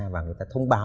và người ta thông báo